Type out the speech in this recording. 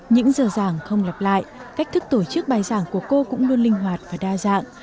những giờ giảng không lặp lại cách thức tổ chức bài giảng của cô cũng luôn linh hoạt và đa dạng